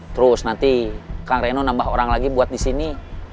terus nanti kang reno nambah orang lagi buat di sini